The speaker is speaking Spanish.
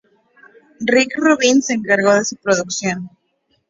Rick Rubin se encargó de su producción.